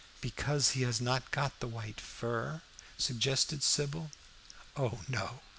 "Because he has not got the white fur?" suggested Sybil. "Oh no!